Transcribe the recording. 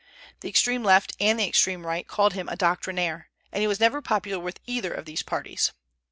The extreme Left and the extreme Right called him a "Doctrinaire," and he was never popular with either of these parties.